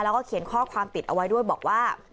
แล้วก็เขียนข้อความปิดเอาไว้ด้วยบอกว่า